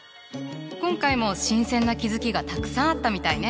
今回も新鮮な気付きがたくさんあったみたいね。